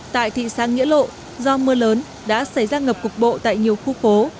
tại thị xã nghĩa lộ do mưa lớn đã xảy ra ngập cục bộ tại nhiều khu phố